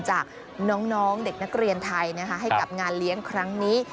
จากน้องเด็กนักเรียนไทยให้กับงานเลี้ยงครั้งนี้